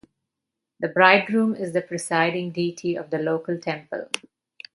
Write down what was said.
The bridegroom is the presiding deity of the local temple.